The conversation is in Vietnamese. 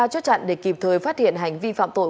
chốt chặn để kịp thời phát hiện hành vi phạm tội